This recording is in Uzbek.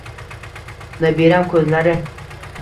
Nabiram ko’zlari